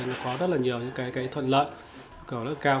nó có rất là nhiều những cái thuận lợi cầu rất cao